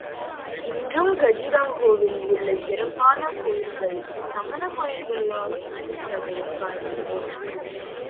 இன்றும் கஜுராஹோவில் உள்ள சிறப்பான கோயில்கள் சமணக் கோயில்களாக இருப் பதைக் காண்கிறோம்.